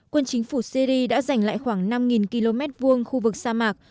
quân chính phủ syri đã giành lại khoảng năm km hai khu vực sa mạc